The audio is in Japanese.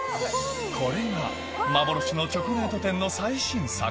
これが幻のチョコレート店の最新作